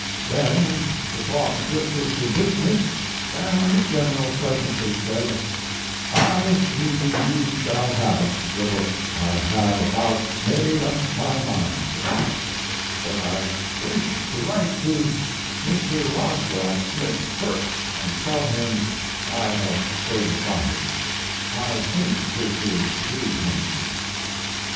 Then the talk drifted to business, and the General presently said: "I mean you shall have the book I have about made up my mind to that but I wish to write to Mr. Roswell Smith first, and tell him I have so decided. I think this is due him."